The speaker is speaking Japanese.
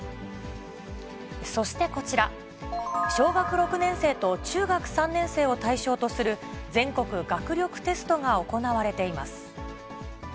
そしてこちら、小学６年生と中学３年生を対象とする全国学力テストが行われています。